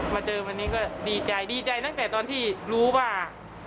มาเจอวันนี้ก็ดีใจดีใจตั้งแต่ตอนที่รู้ว่า